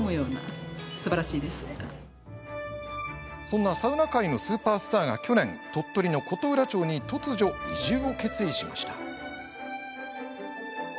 そんなサウナ界のスーパースターが去年、鳥取の琴浦町に突如、移住を決意しました。